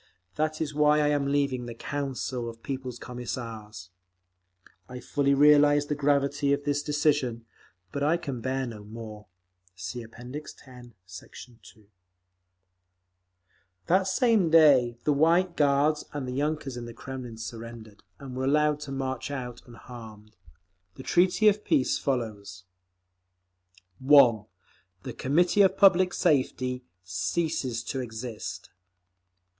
That is why I am leaving the Council of People's Commissars. I fully realise the gravity of this decision. But I can bear no more…. (See App. X, Sect. 2) That same day the White Guards and yunkers in the Kremlin surrendered, and were allowed to march out unharmed. The treaty of peace follows: 1. The Committee of Public Safety ceases to exist.